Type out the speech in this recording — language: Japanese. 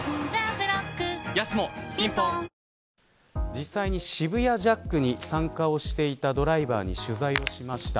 実際に渋谷ジャックに参加をしていたドライバーに取材をしました。